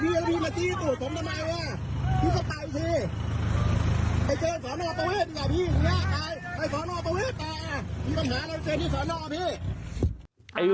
มีปัญหาแล้วไอ้เจนที่สอนออกอ่ะพี่